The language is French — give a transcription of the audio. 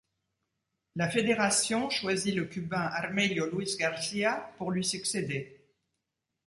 La fédération choisit le Cubain Armelio Luis García pour lui succéder.